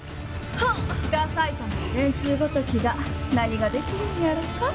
ダさいたまの連中ごときが何ができるんやろか。